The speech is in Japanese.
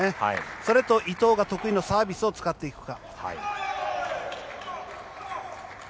それと伊藤が得意のサービスを使っていくか。